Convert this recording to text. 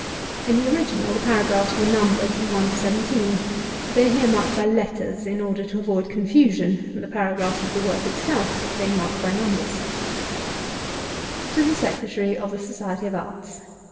In the original the paragraphs were numbered from one to seventeen: they are here marked by letters, in order to avoid confusion, the paragraphs of the work itself being marked by numbers. TO THE SECRETARY OF THE SOCIETY OF ARTS.